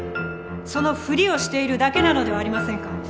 そのフリをしているだけなのではありませんか？